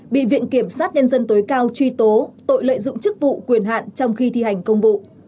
bị viện kiểm sát nhân dân tối cao truy tố tội lợi dụng chức vụ quyền hạn trong khi thi hành công vụ